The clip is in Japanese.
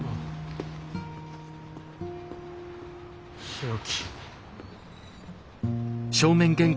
日置。